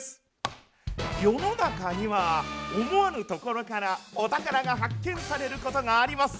世の中には思わぬところからお宝が発見されることがあります。